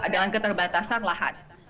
dengan keterbatasan lahan